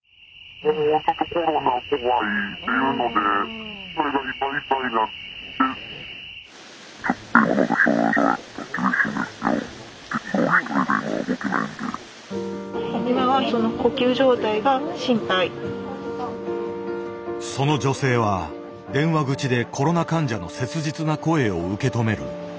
その女性は電話口でコロナ患者の切実な声を受け止める。